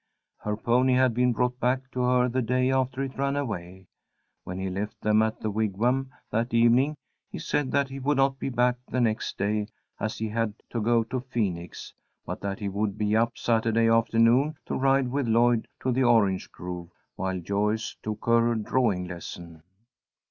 Her pony had been brought back to her the day after it ran away. When he left them at the Wigwam that evening he said that he would not be back the next day as he had to go to Phoenix, but that he would be up Saturday afternoon to ride with Lloyd to the orange grove while Joyce took her drawing lesson.